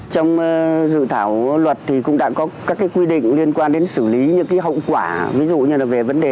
trong dự thảo luật thì cũng đã có các cái quy định liên quan đến xử lý những cái hậu quả ví dụ như là về vấn đề